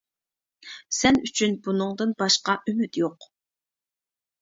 سەن ئۈچۈن بۇنىڭدىن باشقا ئۈمىد يوق.